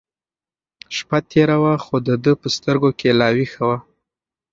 شپه تېره وه خو د ده په سترګو کې لا وېښه وه.